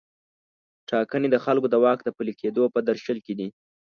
ټاکنې د خلکو د واک د پلي کیدو په درشل کې دي.